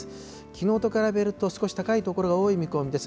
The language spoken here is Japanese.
きのうと比べると、少し高い所が多い見込みです。